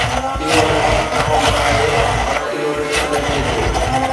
اهو اڃا نومبر آهي، پر اهو ڏسڻ ۾ اچي ٿو